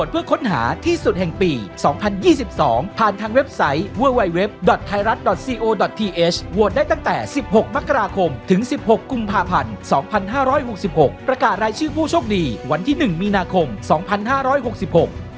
เพลิงเผาทำลายทรัพย์ด้วยนะครับ